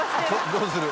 どうする？」